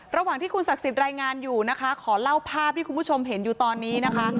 ระหว่างที่คุณศักดิ์สิทธิ์รายงานอยู่นะคะขอเล่าภาพที่คุณผู้ชมเห็นอยู่ตอนนี้นะคะ